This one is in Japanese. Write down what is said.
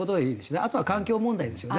あとは環境問題ですよね。